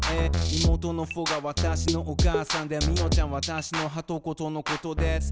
妹のほうが私のお母さんでみよちゃん私の「はとこ」とのことです。